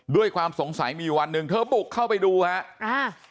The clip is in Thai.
ด้วยความสงสัยมีวันหนึ่งเธอบุกเข้าไปดูครับ